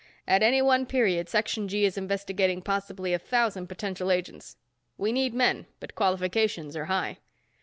At any one period, Section G is investigating possibly a thousand potential agents. We need men but qualifications are high."